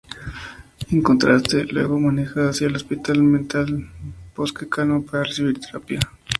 En contraste, luego, maneja hacia el Hospital Mental "Bosque Calmo" para recibir terapia.